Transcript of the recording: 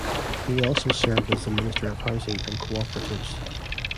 He also served as the minister of housing and co-operatives.